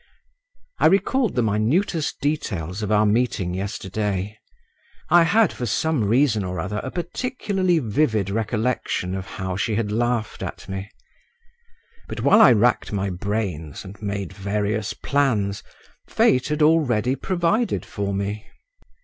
I recalled the minutest details of our meeting yesterday; I had for some reason or other a particularly vivid recollection of how she had laughed at me…. But while I racked my brains, and made various plans, fate had already provided for me.